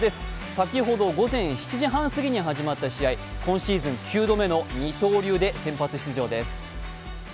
先ほど午前７時半過ぎに始まった試合、今シーズン９度目の二刀流で先発出場です。